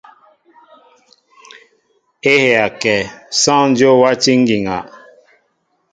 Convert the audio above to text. É heya kɛ , sááŋ Dyó wátí ŋgiŋa.